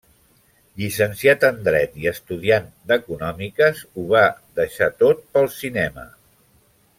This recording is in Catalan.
Llicenciat en Dret i estudiant d'Econòmiques ho va deixar tot pel cinema.